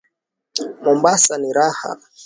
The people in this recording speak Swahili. Mombasa ni raha